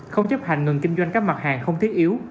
không chấp hành ngừng kinh doanh các mặt hàng không thiết yếu